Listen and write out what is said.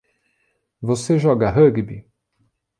Você joga rugby?